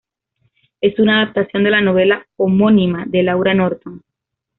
Es una adaptación de la novela homónima de Laura Norton.